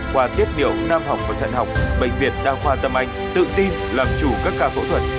khoa tiết điệu nam học và thận học bệnh viện nam khoa tâm anh tự tin làm chủ các ca phẫu thuật